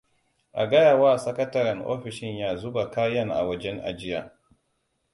A gayawa sakataren ofishin ya zuba kayan a wajen ajiya.